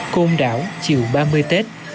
công đảo chiều ba mươi tết